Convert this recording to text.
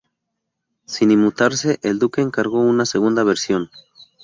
Sin inmutarse, el duque encargó una segunda versión.